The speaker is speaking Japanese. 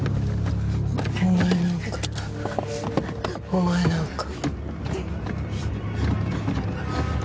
お前なんか。